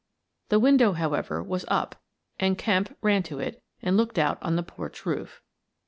The window, however, was up and Kemp ran to it and looked out on the porch roof.